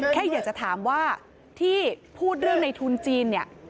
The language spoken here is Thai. แค่อยากจะถามว่าที่พูดเรื่องในทุนจีนเนี่ย